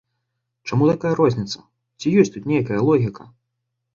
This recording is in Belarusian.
Чаму такая розніца, ці ёсць тут нейкая логіка?